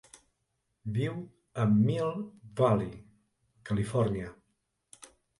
Viu a Mill Valley, Califòrnia.